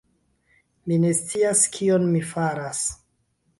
Mi ne scias kion mi faras.